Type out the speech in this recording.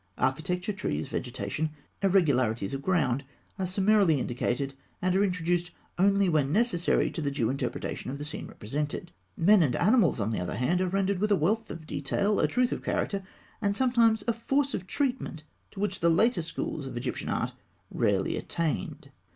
Architecture, trees, vegetation, irregularities of ground, are summarily indicated, and are introduced only when necessary to the due interpretation of the scene represented. Men and animals, on the other hand, are rendered with a wealth of detail, a truth of character, and sometimes a force of treatment, to which the later schools of Egyptian art rarely attained.